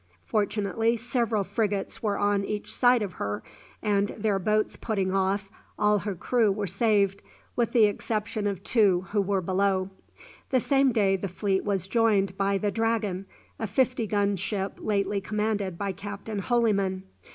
Fortunately several frigates were on each side of her, and their boats putting off, all her crew were saved, with the exception of two who were below. The same day the fleet was joined by the "Dragon," a fifty gun ship lately commanded by Captain Holyman.